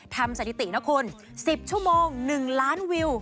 สถิตินะคุณ๑๐ชั่วโมง๑ล้านวิว